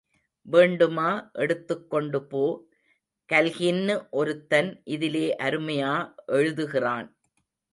வேண்டுமா எடுத்துக் கொண்டு போ, கல்கி ன்னு ஒருத்தன் இதிலே அருமையா எழுதுகிறான்.